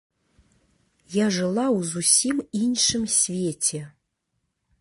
Я жыла ў зусім іншым свеце.